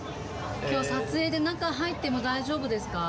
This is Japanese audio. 今日撮影で中入っても大丈夫ですか？